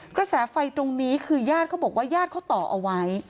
กระแสไฟตรงนี้คือญาติเขาบอกว่าญาติเขาต่อเอาไว้